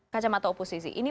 kacamata oposisi ini